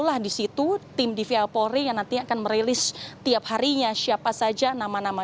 dan di situ tim dvi polri yang nanti akan merilis tiap harinya siapa saja nama nama